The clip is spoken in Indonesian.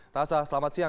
tazah selamat siang